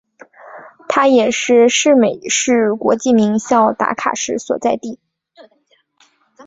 它也是是美式国际名校达卡市所在地。